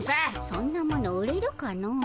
そんなもの売れるかのう。